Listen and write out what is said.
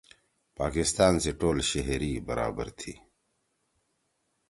پاکستان سی ٹول شہری برابر تھی۔